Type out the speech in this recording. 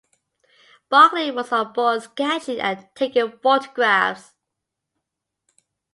Barclay was on board, sketching and taking photographs.